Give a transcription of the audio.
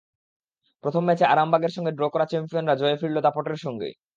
প্রথম ম্যাচে আরামবাগের সঙ্গে ড্র করা চ্যাম্পিয়নরা জয়ে ফিরল দাপটের সঙ্গেই।